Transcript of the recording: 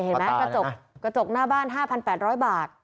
เห็นไหมกระจกหน้าบ้าน๕๘๐๐บาท